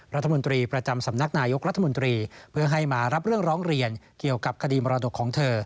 รัฐมนตรีประจำสำนักนายกรัฐมนตรีเพื่อให้มารับเรื่องร้องเรียนเกี่ยวกับคดีมรดกของเธอ